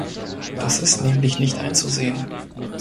Das ist nämlich nicht einzusehen.